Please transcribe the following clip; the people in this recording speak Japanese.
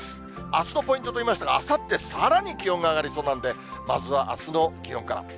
あすのポイントと言いましたが、あさって、さらに気温が上がりそうなんで、まずはあすの気温から。